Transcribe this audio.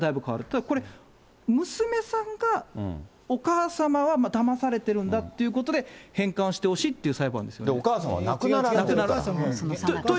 だからこれ、娘さんが、お母様はだまされてるんだということで返還してほしいという裁判お母様は亡くなられた。